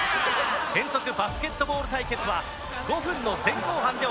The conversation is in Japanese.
変則バスケットボール対決は５分の前後半で行います。